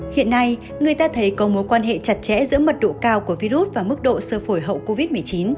hiện nay người ta thấy có mối quan hệ chặt chẽ giữa mật độ cao của virus và mức độ sơ phổi hậu covid một mươi chín